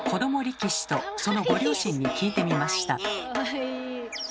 力士とそのご両親に聞いてみました。